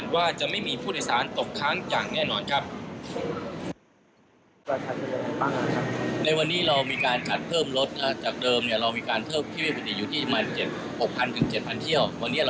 และผู้ใช้อีกการไม่ต้องธงวน